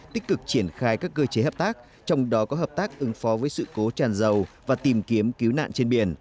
tích cực triển khai các cơ chế hợp tác trong đó có hợp tác ứng phó với sự cố tràn dầu và tìm kiếm cứu nạn trên biển